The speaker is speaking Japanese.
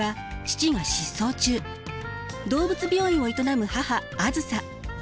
動物病院を営む母あづさ。